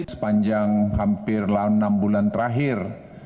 sepanjang hampir enam bulan terakhir